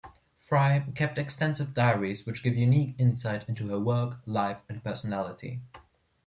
Fry kept extensive diaries which give unique insight into her work, life and personality.